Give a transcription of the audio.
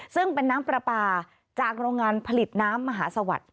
ซึ่งเป็นน้ำปลาปลาจากโรงงานผลิตน้ำมหาสวัสดิ์